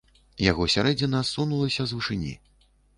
Яго сярэдзіна ссунулася з вышыні.